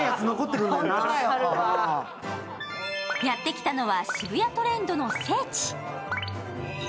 やってきたのは、渋谷トレンドの聖地。